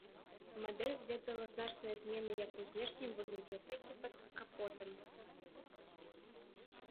Мадэль зведала значныя змены як у знешнім выглядзе, так і пад капотам.